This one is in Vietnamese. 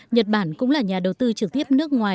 nhật bản cũng là nhà đầu tư trực tiếp